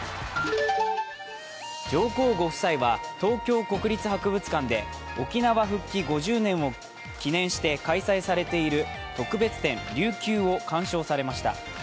上皇ご夫妻は東京国立博物館で沖縄復帰５０年を記念して開催されている特別展「琉球」を鑑賞されました。